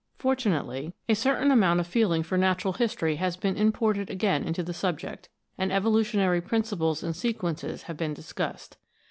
Fortunately, a certain amount of 2 ROCKS AND THEIR ORIGINS [CH. feeling for natural history has been imported again into the subject, and evolutionary principles and sequences have been discussed.